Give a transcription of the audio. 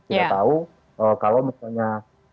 kita tahu kalau misalnya